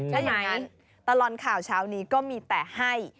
ถ้าอย่างนั้นตลอดข่าวเช้านี้ก็มีแต่ให้